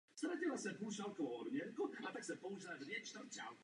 Papež začal vyjednávat s francouzským králem o získání vojenské podpory.